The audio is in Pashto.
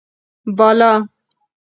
بالا: